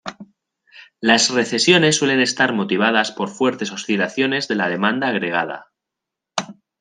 Las recesiones suelen estar motivadas por fuertes oscilaciones de la demanda agregada.